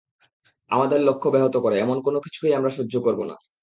আমাদের লক্ষ্য ব্যাহত করে, এমন কোনো কিছুকেই আমরা সহ্য করব না।